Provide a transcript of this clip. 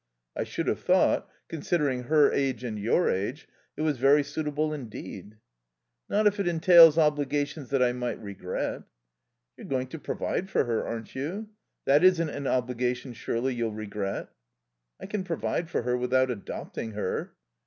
"I should have thought, considering her age and your age, it was very suitable indeed." "Not if it entails obligations that I might regret." "You're going to provide for her, aren't you? That isn't an obligation, surely, you'll regret?" "I can provide for her without adopting her."